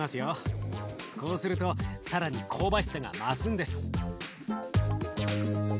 こうすると更に香ばしさが増すんです。